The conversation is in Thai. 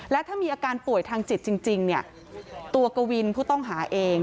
และถ้ามีอาการป่วยทางจิตจริงตัวกวินผู้ต้องหาเอง